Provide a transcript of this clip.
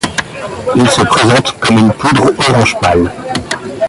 Il se présente comme une poudre orange pâle.